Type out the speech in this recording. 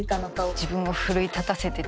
自分を奮い立たせてというか。